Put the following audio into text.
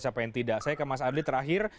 siapa yang tidak saya ke mas adli terakhir